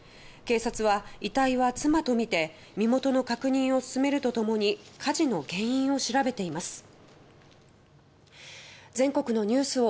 警察は、遺体は妻とみて身元の確認を進めると共に火事の原因を調べています。